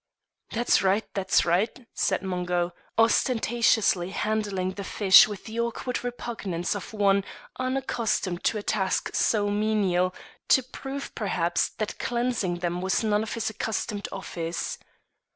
"That's richt, that's richt," said Mungo, ostentatiously handling the fish with the awkward repugnance of one unaccustomed to a task so menial, to prove perhaps that cleansing them was none of his accustomed office.